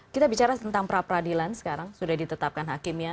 kita bicara tentang pra peradilan sekarang sudah ditetapkan hakimnya